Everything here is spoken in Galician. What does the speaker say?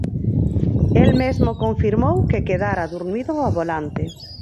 El mesmo confirmou que quedara durmido ao volante.